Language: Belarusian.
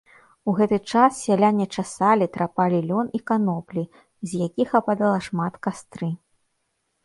У гэты час сяляне часалі, трапалі лён і каноплі, з якіх ападала шмат кастры.